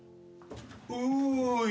おい。